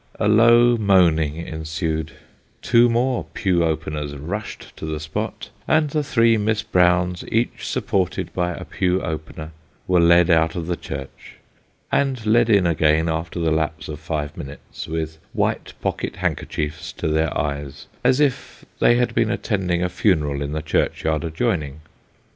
A low moaning ensued ; two more pew openers rushed to the spot, and the three Miss Browns, each supported by a pew opener, were led out of the church, and led in again after the lapse of five minutes with white pocket handkerchiefs to their eyes, as if they had been attending a funeral in the churchyard adjoining.